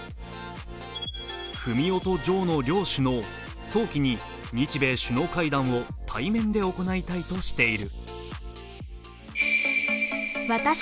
フミオとジョーの両首脳、早期に日米首脳会談を対面で行いたいとしている。